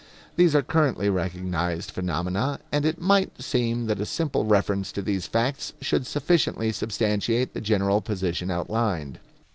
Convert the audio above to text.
These are currently recognized phenomena, and it might seem that a simple reference to these facts should sufficiently substantiate the general position outlined.